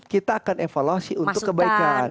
kita akan evaluasi untuk kebaikan